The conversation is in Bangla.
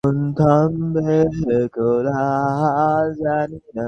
এইটা কি পাহাড় বানিয়েছ মাথার মধ্যে?